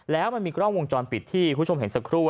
แล้วมันมีกล้องวงจรปิดที่คุณผู้ชมเห็นสักครู่